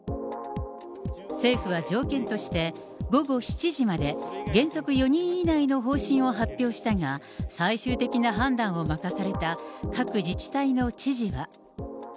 政府は条件として午後７時まで、原則４人以内の方針を発表したが、最終的な判断を任された各自治体の知事は。